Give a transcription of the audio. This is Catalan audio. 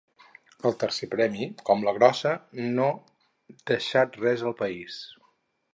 El tercer premi, com la grossa, no deixat res al país.